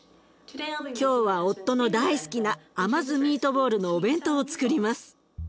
今日は夫の大好きな甘酢ミートボールのお弁当をつくります。